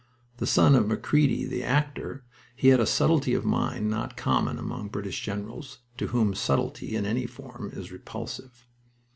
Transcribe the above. The son of Macready, the actor, he had a subtlety of mind not common among British generals, to whom "subtlety" in any form is repulsive.